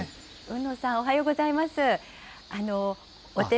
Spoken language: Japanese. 海野さん、おはようございます。